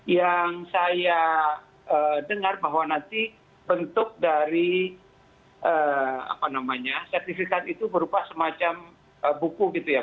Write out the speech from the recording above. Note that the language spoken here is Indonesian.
yang saya dengar bahwa nanti bentuk dari sertifikat itu berupa semacam buku gitu ya